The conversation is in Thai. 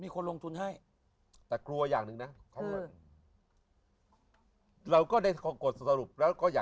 กลัวอย่างหนึ่งนะ